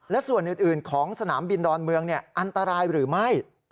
และส่วนอื่นของสนามบินดอนเมืองอันตรายหรือไม่